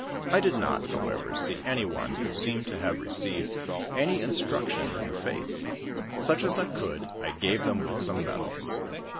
I did not, however, see any one who seemed to have received any instruction in the faith; such as I could, I gave them with some medals.